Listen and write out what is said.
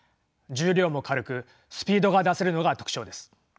重量も軽くスピードが出せるのが特徴です。